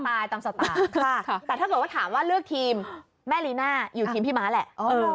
ตามสไตล์แต่ถ้าเกิดว่าถามว่าเลือกทีมแม่ลีน่าอยู่ทีมพี่ม้าแหละ